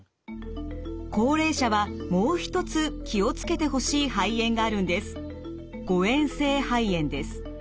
高齢者はもう一つ気を付けてほしい肺炎があるんです。